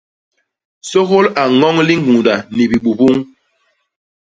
Sôgôl a ññoñ liñgunda ni bibubuñ.